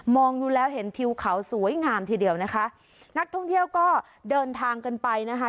ดูแล้วเห็นทิวเขาสวยงามทีเดียวนะคะนักท่องเที่ยวก็เดินทางกันไปนะคะ